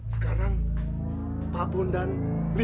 sekarang pak wondan lihat